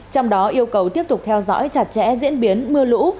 trong đó yêu cầu tiếp tục theo dõi chặt chẽ diễn biến mưa lũ